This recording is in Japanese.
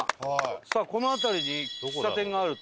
さあこの辺りに喫茶店があると。